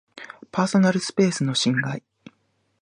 パーソナルスペースの侵害